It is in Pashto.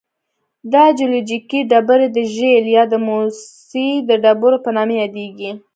دا جیولوجیکي ډبرې د شیل یا د موسی د ډبرو په نامه یادیږي.